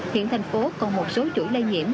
hiện thành phố còn một số chuỗi lây nhiễm